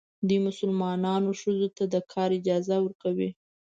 دوی مسلمانان ښځو ته د کار اجازه ورکوي.